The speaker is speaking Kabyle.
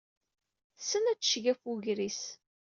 Tessen ad tecceg ɣef wegris.